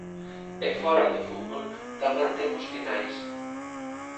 E fóra do fútbol tamén temos finais.